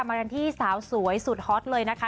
มากันที่สาวสวยสุดฮอตเลยนะคะ